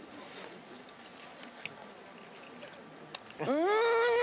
うん！